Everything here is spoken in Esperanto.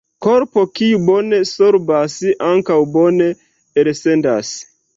Korpo kiu bone sorbas ankaŭ bone elsendas.